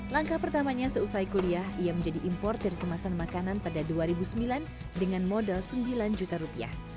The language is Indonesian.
langkah pertamanya seusai kuliah ia menjadi importer kemasan makanan pada dua ribu sembilan dengan modal sembilan juta rupiah